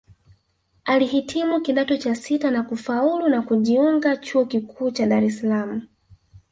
Alihitimu Kidato cha sita na kufaulu na kujiunga Chuo kikuu cha Dar es salaam